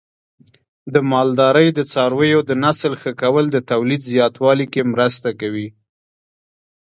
د مالدارۍ د څارویو د نسل ښه کول د تولید زیاتوالي کې مرسته کوي.